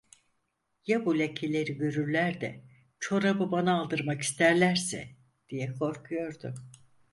"Ya bu lekeleri görürler de çorabı bana aldırmak isterlerse!" diye korkuyordu.